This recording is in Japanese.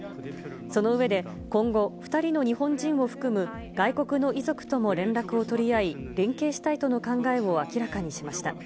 その上で、今後、２人の日本人を含む外国の遺族とも連絡を取り合い、連携したいとの考えを明らかにしました。